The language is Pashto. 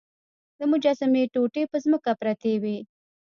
د مجسمې ټوټې په ځمکه پرتې وې.